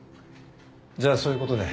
じゃあそういうことで。